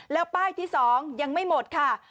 แล้วป้ายที่๒ยังไม่หมดค่ะ